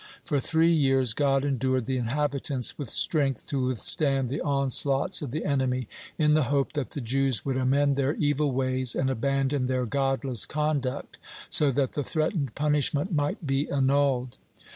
For three years God endured the inhabitants with strength to withstand the onslaughts of the enemy, in the hope that the Jews would amend their evil ways and abandon their godless conduct, so that the threatened punishment might be annulled.